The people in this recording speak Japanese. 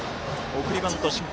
送りバント失敗